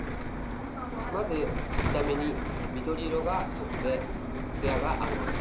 まず見た目に、緑色が濃くてつやがあるもの。